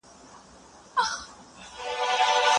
استادانو تل ويلي چي بايد تيوري له عملي ژوند سره وتړل سي.